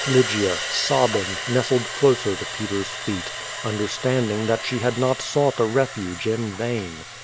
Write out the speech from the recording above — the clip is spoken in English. Lygia, sobbing, nestled closer to Peter's feet, undei stand ing that she had not sought a refuge in vain.